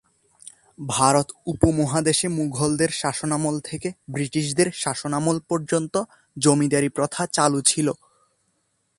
ভারত উপমহাদেশে মুঘলদের শাসনামল থেকে ব্রিটিশদের শাসনামল পর্যন্ত জমিদারি প্রথা চালু ছিল।